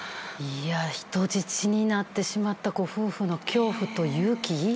人質になってしまったご夫婦の恐怖と勇気。